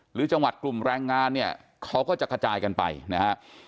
หรือจังหวัดกลุ่มแรงงานเนี่ยเขาก็จะกระจายกันไปนะฮะ